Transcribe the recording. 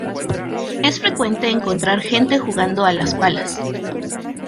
Es frecuente encontrar gente jugando a las palas.